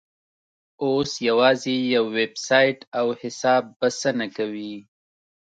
اوس یوازې یو ویبسایټ او حساب بسنه کوي.